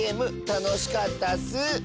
たのしかったッス。